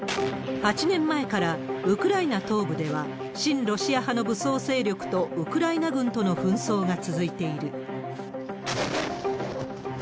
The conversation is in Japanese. ８年前から、ウクライナ東部では、親ロシア派の武装勢力とウクライナ軍との紛争が続いている。